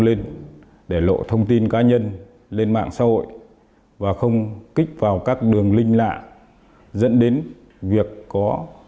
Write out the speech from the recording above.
lên để lộ thông tin cá nhân lên mạng xã hội và không kích vào các đường linh lạ dẫn đến việc có